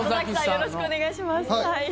よろしくお願いします。